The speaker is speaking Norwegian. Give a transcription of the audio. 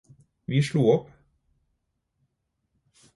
Vi slo opp